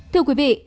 thưa quý vị